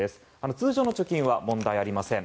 通常の貯金は問題ありません。